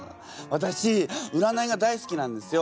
私占いが大好きなんですよ。